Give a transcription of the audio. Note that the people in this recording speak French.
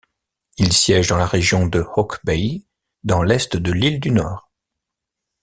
Il siège dans la région de Hawke's Bay, dans l’est de l’Île du Nord.